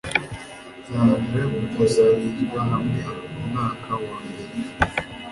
zaje gukusanyirizwa hamwe mu mwaka wa mbere